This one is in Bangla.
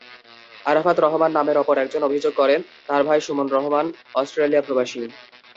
আরাফাত রহমান নামের অপর একজন অভিযোগ করেন, তাঁর ভাই সুমন রহমান অস্ট্রেলিয়াপ্রবাসী।